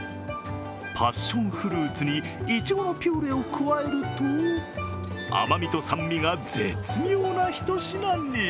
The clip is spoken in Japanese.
パッションフルーツにいちごのピューレを加えると甘みと酸味が、絶妙なひと品に。